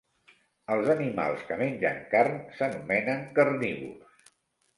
Els animals que mengen carn s'anomenen carnívors.